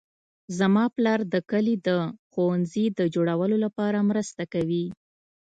زما پلار د کلي د ښوونځي د جوړولو لپاره مرسته کوي